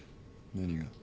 何が？